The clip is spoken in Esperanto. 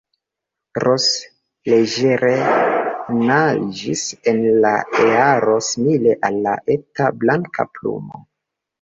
Ros leĝere naĝis en la aero, simile al eta blanka plumo.